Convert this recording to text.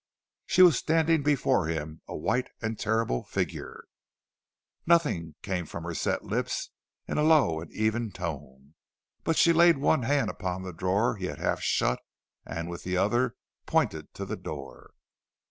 She was standing before him, a white and terrible figure. "Nothing," came from her set lips, in a low and even tone; but she laid one hand upon the drawer he had half shut and with the other pointed to the door.